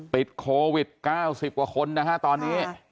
ปิดโควิด๑๙๙๐กว่าคนตอนนี้